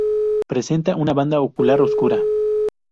Presenta una banda ocular oscura.